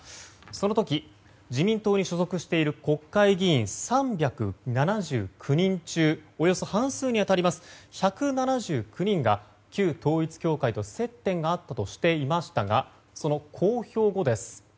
その時、自民党に所属している国会議員３７９人中およそ半数に当たります１７９人が旧統一教会と接点があったとしていましたがその公表後です。